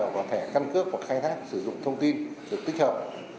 và thẻ căn cước hoặc khai thác sử dụng thông tin được tích hợp